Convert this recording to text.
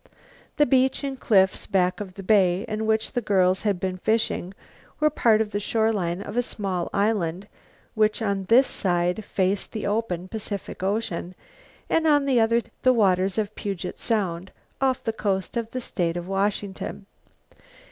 The beach and cliffs back of the bay in which the girls had been fishing were part of the shore line of a small island which on this side faced the open Pacific Ocean and on the other the waters of Puget Sound, off the coast of the state of Washington.